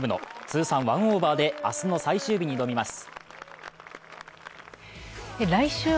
通算１オーバーで明日の最終日に挑みます。